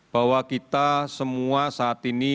bahwa kita semua saat ini